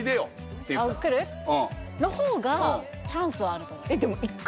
「来る？」の方がチャンスはあると思います